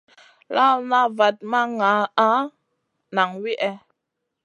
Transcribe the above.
Lawna vat ma nʼgaana nang wihè.